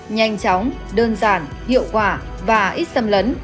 nhanh chóng đơn giản hiệu quả và ít xâm lấn